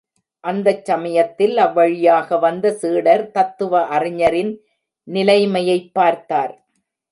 அந்தச் சமயத்தில் அவ்வழியாக வந்த சீடர் தத்துவ அறிஞரின் நிலைமையைப் பார்த்தார்.